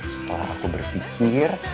setelah aku berpikir